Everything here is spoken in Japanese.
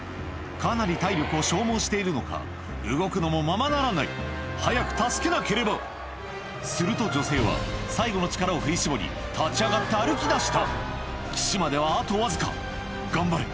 かなり体力を消耗しているのか動くのもままならない早く助けなければすると女性は最後の力を振り絞り立ち上がって歩きだした岸まではあとわずか頑張れ！